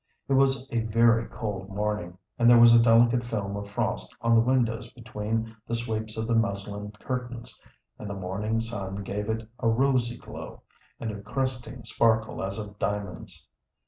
It was a very cold morning, and there was a delicate film of frost on the windows between the sweeps of the muslin curtains, and the morning sun gave it a rosy glow and a crusting sparkle as of diamonds.